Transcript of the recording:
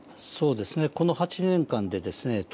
そうですねこの８年間でですね